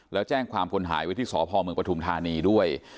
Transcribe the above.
แล้วแจ้งความคนหายไว้ที่สพเมืองปฐุมธานีด้วย